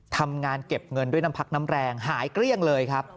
ทำงานเก็บเงินด้วยน้ำพักน้ำแรงหายเกลี้ยงเลยครับ